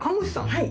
はい。